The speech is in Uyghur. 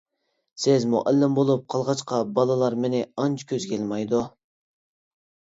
سىز مۇئەللىم بولۇپ قالغاچقا بالىلار مېنى ئانچە كۆزگە ئىلمايدۇ.